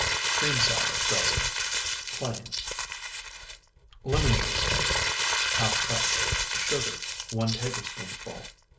CREAM SALAD DRESSING (PLAIN) Lemon juice, ½ cup. Sugar, 1 tablespoonful.